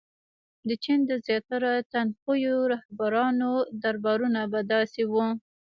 • د چین د زیاتره تندخویو رهبرانو دربارونه به داسې وو.